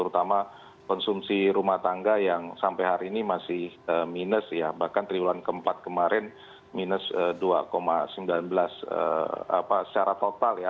terutama konsumsi rumah tangga yang sampai hari ini masih minus ya bahkan triwulan keempat kemarin minus dua sembilan belas secara total ya